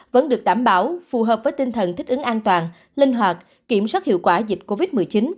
vẫn được đảm bảo phù hợp với tinh thần thích ứng an toàn linh hoạt kiểm soát hiệu quả dịch covid một mươi chín